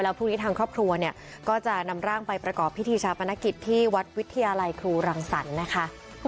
พรุ่งนี้ทางครอบครัวเนี่ยก็จะนำร่างไปประกอบพิธีชาปนกิจที่วัดวิทยาลัยครูรังสรรค์นะคะ